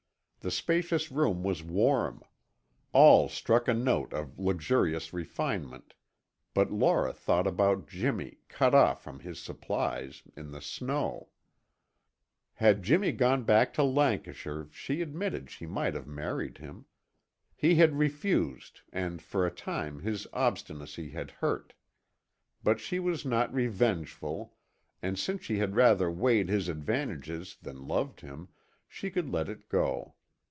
The spacious room was warm; all struck a note of luxurious refinement, but Laura thought about Jimmy, cut off from his supplies, in the snow. Had Jimmy gone back to Lancashire, she admitted she might have married him. He had refused and for a time his obstinacy had hurt, but she was not revengeful and, since she had rather weighed his advantages than loved him, she could let it go.